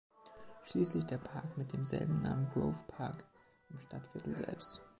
Schließlich der Park mit demselben Namen Grove Park im Stadtviertel selbst.